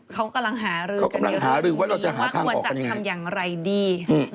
เขากำลังหารื่องกันยังไงว่าควรจะทำอย่างไรดี